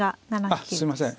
あっすいません。